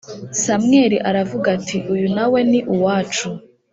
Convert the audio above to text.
Samweli aravuga ati uyu na we ni uwacu